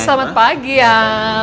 selamat pagi al